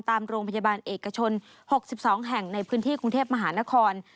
ตามโรงพยาบาลเอกชน๖๒แห่งในพื้นที่กรุงเทพมหานคร